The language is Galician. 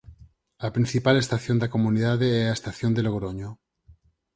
A principal estación da comunidade é a estación de Logroño.